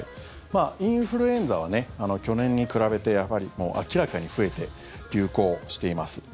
インフルエンザは去年に比べてやはりもう明らかに増えて流行しています。